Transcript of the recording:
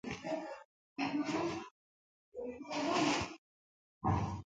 کله چې دوه کسان توکي مبادله کوي.